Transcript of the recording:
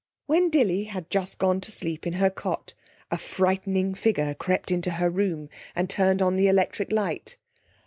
When Dilly had just gone to sleep in her cot a frightening figure crept into her room and turned on the electric light.